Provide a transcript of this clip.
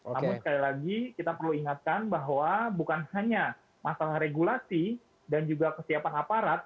namun sekali lagi kita perlu ingatkan bahwa bukan hanya masalah regulasi dan juga kesiapan aparat